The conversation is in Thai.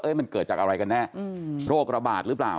มันเกิดจากอะไรกันแน่โรคระบาดหรือเปล่า